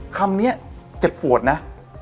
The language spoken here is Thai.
คำนี้เจ็บปวดนะ